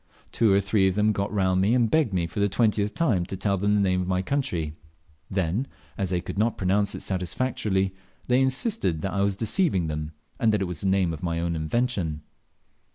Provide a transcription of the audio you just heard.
Two or three of them got round me and begged me for the twentieth time to tell them the name of my country. Then, as they could not pronounce it satisfactorily, they insisted that I was deceiving them, and that it was a name of my own invention.